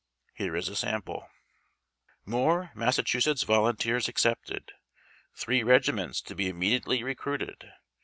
Here is a sample :— More 3Iassac7ius€tts Volunteers Accepted !! I Three Regiments to be Immediately Recruited